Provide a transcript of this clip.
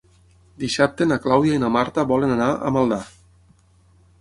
Dissabte na Clàudia i na Marta volen anar a Maldà.